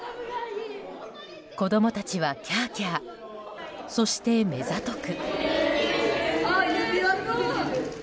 子供たちはキャーキャーそして、目ざとく。